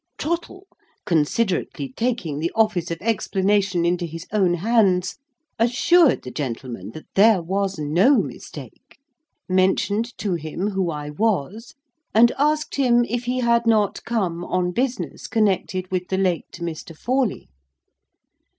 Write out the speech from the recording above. Trottle, considerately taking the office of explanation into his own hands, assured the gentleman that there was no mistake; mentioned to him who I was; and asked him if he had not come on business connected with the late Mr. Forley.